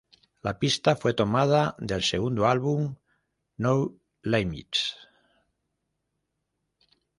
La pista fue tomada del segundo álbum "No Limits".